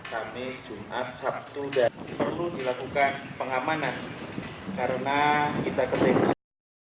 waktu dan perlu dilakukan pengamanan karena kita ketinggalan